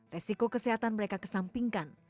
resiko kesehatan mereka kesampingkan